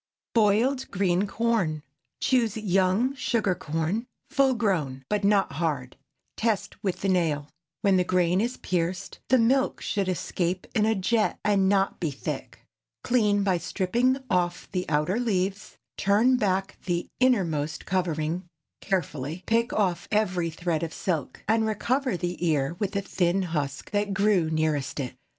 BOILED GREEN CORN. Choose young sugar corn, full grown, but not hard; test with the nail. When the grain is pierced, the milk should escape in a jet, and not be thick. Clean by stripping off the outer leaves, turn back the innermost covering carefully, pick off every thread of silk, and recover the ear with the thin husk that grew nearest it.